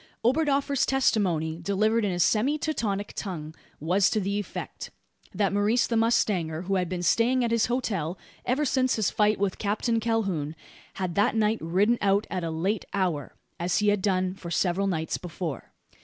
Oberdoffer's testimony, delivered in a semi Teutonic tongue, was to the effect: that Maurice the mustanger who had been staying at his hotel ever since his fight with Captain Calhoun had that night ridden out at a late hour, as he had done for several nights before.